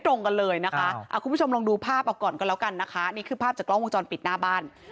ตรงกันเลยนะคะคุณผู้ชมลองดูภาพเอาก่อนก็แล้วกันนะคะนี่คือภาพจากกล้องวงจรปิดหน้าบ้าน